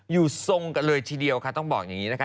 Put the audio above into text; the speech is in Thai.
อยู่ทรงกันเลยทีเดียวค่ะต้องบอกอย่างนี้นะคะ